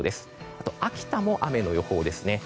あとは、秋田も雨の予報ですね。